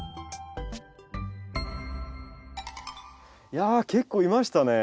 いや結構いましたね。